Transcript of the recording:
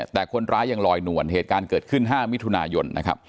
แต่คนร้ายยังลอยนวลเหตุการณ์เกิดขึ้น๕มิถุนายนนะครับ